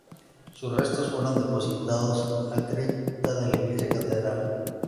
Sus restos fueron depositados en la cripta de la iglesia catedral.